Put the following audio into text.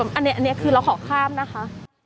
อันนี้คือเราขอข้ามนะคะ